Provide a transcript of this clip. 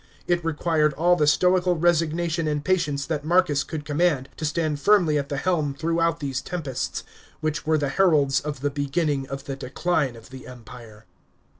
It required all the stoical resignation and patience that Marcus could command, to stand firmly at the helm throughout these tempests, which were the heralds of the beginning of the Decline of the Empire.